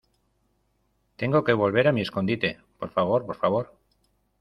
tengo que volver a mi escondite, por favor. por favor .